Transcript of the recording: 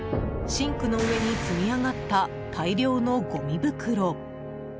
シンクの上に積み上がった大量のごみ袋。